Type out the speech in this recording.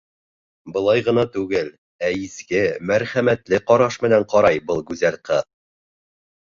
Былай ғына түгел, ә изге, мәрхәмәтле ҡараш менән ҡарай был гүзәл ҡыҙ.